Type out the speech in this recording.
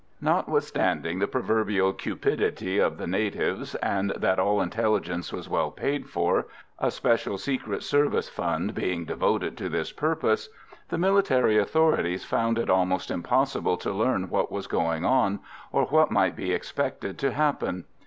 Notwithstanding the proverbial cupidity of the natives, and that all intelligence was well paid for a Special Secret Service fund being devoted to this purpose the military authorities found it almost impossible to learn what was going on, or what might be expected to happen.